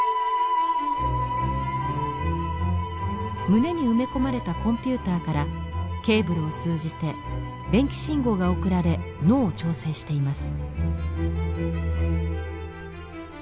胸に埋め込まれたコンピューターからケーブルを通じて電気信号が送られ脳を調整しています。